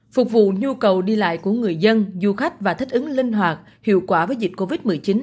phục vụ nhu cầu đi lại của người dân du khách và thích ứng linh hoạt hiệu quả với dịch covid một mươi chín